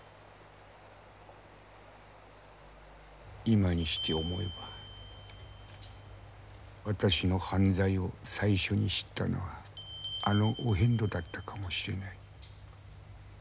今にして思えば私の犯罪を最初に知ったのはあのお遍路だったかもしれない。